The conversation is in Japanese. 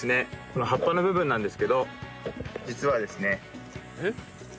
この葉っぱの部分なんですけど実はですね。